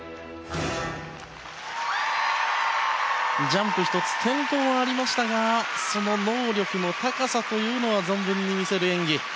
ジャンプ１つ転倒はありましたがその能力の高さというのは存分に見せる演技。